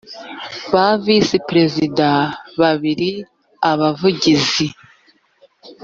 ba visi perezida babiri abavugizi